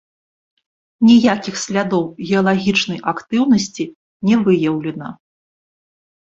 Ніякіх слядоў геалагічнай актыўнасці не выяўлена.